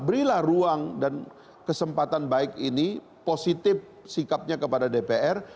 berilah ruang dan kesempatan baik ini positif sikapnya kepada dpr